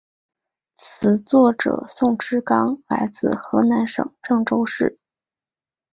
词作者宋志刚来自河南省郑州市。